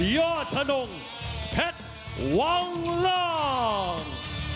ยอดทนงแพทย์วังล่าง